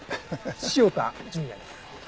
潮田純哉です。